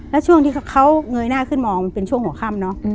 แล้วช่วงที่เขาเงยหน้าขึ้นมองมันเป็นช่วงหัวค่ำเนอะ